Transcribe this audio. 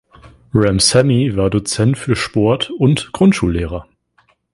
Ramsamy war Dozent für Sport und Grundschullehrer.